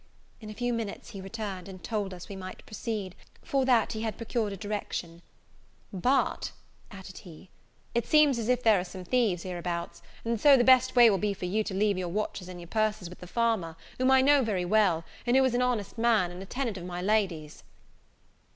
In a few minutes he returned, and told us we might proceed, for that he had procured a direction: "But," added he, "it seems there are some thieves hereabouts; and so the best way will be for you to leave your watches and your purses with the farmer, whom I know very well, and who is an honest man, and a tenant of my Lady's."